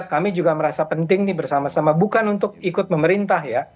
kami juga merasa penting nih bersama sama bukan untuk ikut memerintah ya